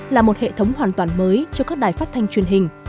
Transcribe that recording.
là một hệ thống hoàn toàn mới cho các đài phát thanh truyền hình